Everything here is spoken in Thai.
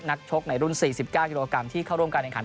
นักชกรุ่ง๔๙กิโลกรัมที่เข้าร่วมกันในขันทอม